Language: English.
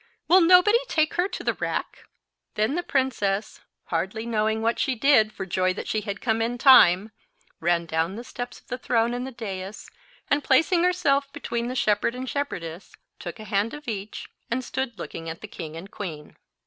—Will nobody take her to the rack?" Then the princess, hardly knowing what she did for joy that she had come in time, ran down the steps of the throne and the dais, and placing herself between the shepherd and shepherdess, took a hand of each, and stood looking at the king and queen.